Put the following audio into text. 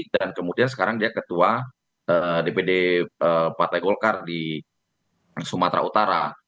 dan kemudian sekarang dia ketua dpd partai golkar di sumatera utara